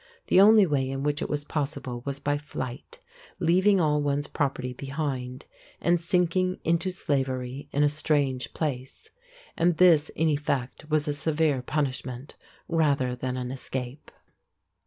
The only way in which it was possible was by flight, leaving all one's property behind, and sinking into slavery in a strange place; and this in effect was a severe punishment rather than an escape.